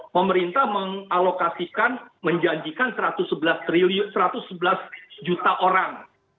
pemerintah mengalokasikan menjanjikan satu ratus sebelas juta orang